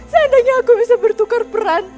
seandainya aku bisa bertukar peran